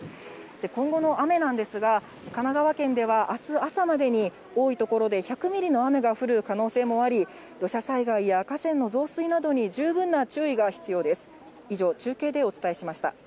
今後の雨なんですが、神奈川県ではあす朝までに、多い所で１００ミリの雨が降る可能性もあり、土砂災害や河川の増水などに十分な注意が必要です。